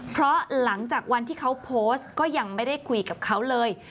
เพราะหลังจากวันที่เขาโพสต์ก็ยังไม่ได้คุยกับเขาเลย